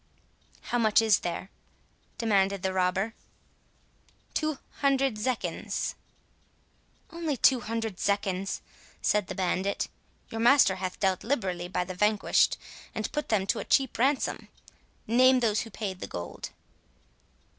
"How much is there?" demanded the robber. "Two hundred zecchins." "Only two hundred zecchins!" said the bandit; "your master hath dealt liberally by the vanquished, and put them to a cheap ransom. Name those who paid the gold."